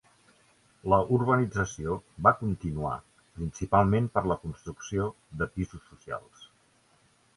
La urbanització va continuar, principalment per la construcció de pisos socials.